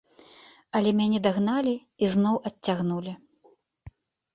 Але мяне дагналі і зноў адцягнулі.